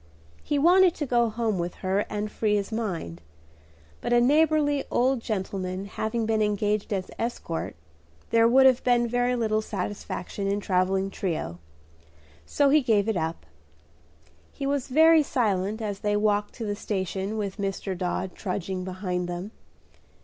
He wanted to go home with her and free his mind; but a neighborly old gentleman having been engaged as escort, there would have been very little satisfaction in a travelling trio; so he gave it up. He was very silent as they walked to the station with Dr. Dodd trudging behind them.